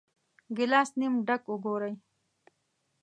ګیلاس نیم ډک وګورئ.